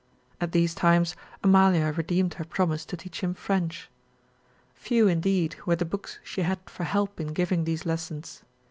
At these times Amalia redeemed her promise to teach him French. Few indeed were the books she had for help in giving these lessons.